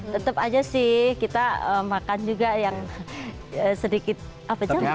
tetap aja sih kita makan juga yang sedikit apa campur